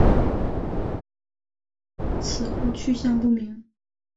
此后去向不明。